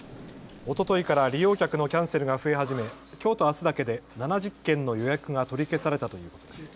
おとといから利用客のキャンセルが増えはじめきょうとあすだけで７０件の予約が取り消されたということです。